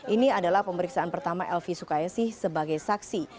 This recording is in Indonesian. ini adalah pemeriksaan pertama elvi sukaisi sebagai saksi